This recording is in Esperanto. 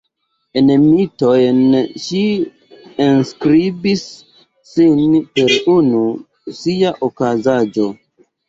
En mitojn ŝi enskribis sin per unu sia okazaĵo.